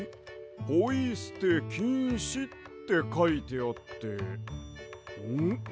「ポイすてきんし」ってかいてあってんっ？